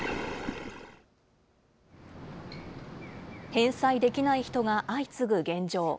返済できない人が相次ぐ現状。